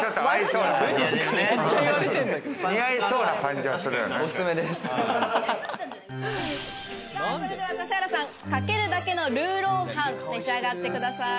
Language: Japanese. それでは指原さんかけるだけのルーロー飯召し上がってください。